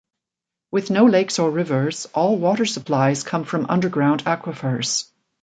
With no lakes or rivers, all water supplies come from underground aquifers.